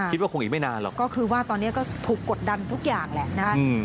คิดว่าคงอีกไม่นานหรอกก็คือว่าตอนนี้ก็ถูกกดดันทุกอย่างแหละนะคะ